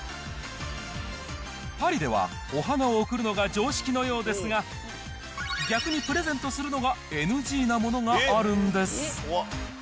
パリではお花を贈るのが常識のようですが、逆にプレゼントするのがＮＧなものがあるんです。